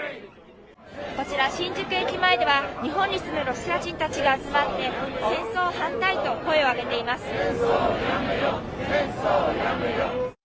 こちら新宿駅前では日本に住むロシア人たちが集まって戦争反対と声を上げています。